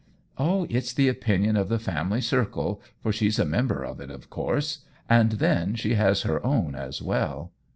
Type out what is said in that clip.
" Oh, it's the opinion of the family circle, for she's a member of it, of course. And then she has her own as well."